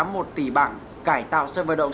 một tỷ bảng cải tạo sân vật động